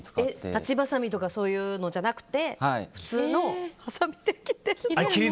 裁ちばさみとかじゃなくて普通のはさみで。